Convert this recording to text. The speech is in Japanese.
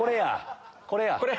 これや。